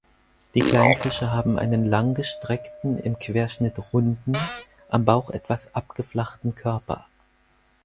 Die kleinen Fische haben einen langgestreckten, im Querschnitt runden, am Bauch etwas abgeflachten Körper.